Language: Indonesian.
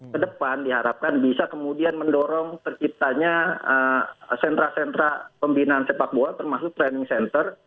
kedepan diharapkan bisa kemudian mendorong terciptanya sentra sentra pembinaan sepak bola termasuk training center